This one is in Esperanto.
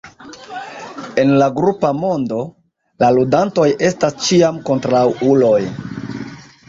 En la grupa modo, la ludantoj estas ĉiam kontraŭuloj.